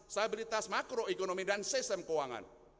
stabilitas makro ekonomi dan sistem keuangan